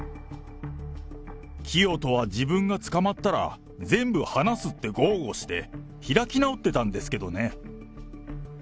キヨトは自分が捕まったら全部話すって豪語して開き直ってたんですけどね。